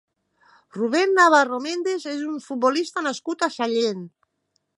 Rubén Navarro Méndez és un futbolista nascut a Sallent.